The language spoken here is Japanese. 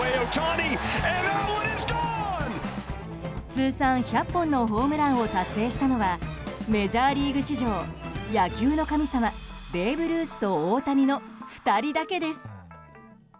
通算１００本のホームランを達成したのはメジャーリーグ史上野球の神様、ベーブ・ルースと大谷の２人だけです。